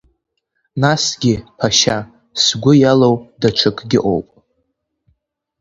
Насгьы Ԥашьа, сгәы иалоу даҽакгьы ыҟоуп.